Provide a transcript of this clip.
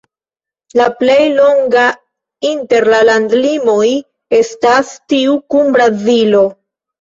La plej longa inter la landlimoj estas tiu kun Brazilo.